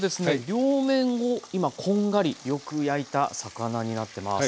両面を今こんがりよく焼いた魚になってます。